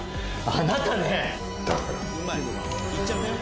あなたね！